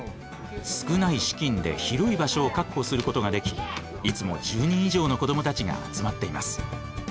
少ない資金で広い場所を確保することができいつも１０人以上の子どもたちが集まっています。